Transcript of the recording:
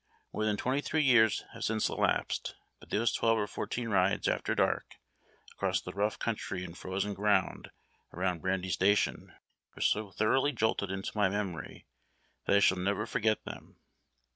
More than twenty three years have since elapsed, but those twelve or fourteen rides, after dark, across the rough country and frozen ground around Brandy Station were so thoroughly jolted into my memory that I shall never forget them.